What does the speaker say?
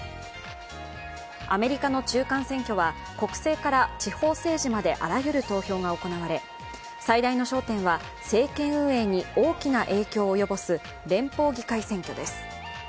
アメリカの中間選挙は国政から地方政治まであらゆる投票が行われていて最大の焦点は政権運営に大きな影響を及ぼす連邦議会選挙です。